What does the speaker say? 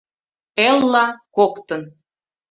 Элла — коктын